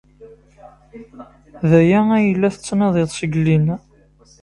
D aya ay la tettnadiḍ seg llinna?